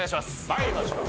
参りましょう。